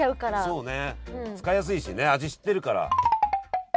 そうね使いやすいしね味知ってるから。